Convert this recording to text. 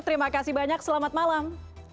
terima kasih banyak selamat malam